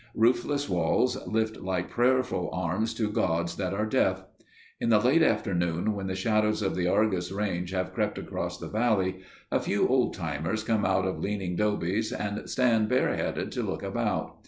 Roofless walls lift like prayerful arms to gods that are deaf. In the late afternoon when the shadows of the Argus Range have crept across the valley, a few old timers come out of leaning dobes and stand bareheaded to look about.